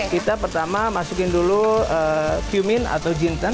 kita pertama masukkan dulu cumin atau jintan